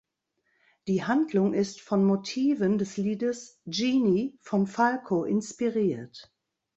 Die Handlung ist von Motiven des Liedes "Jeanny" von Falco inspiriert.